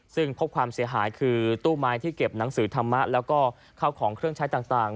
ซึ่งพบความเสียหายคือตู้ไม้ที่เก็บหนังสือธรรมะแล้วก็เข้าของเครื่องใช้ต่าง